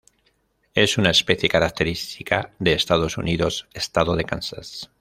Es una especie característica de Estados Unidos, estado de Kansas.